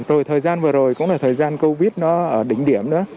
rồi thời gian vừa rồi cũng là thời gian covid nó ở đỉnh điểm nữa